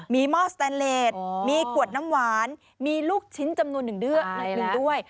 มีหม้อสแตนเลสมีขวดน้ำหวานมีลูกชิ้นจำนวนหนึ่งด้วย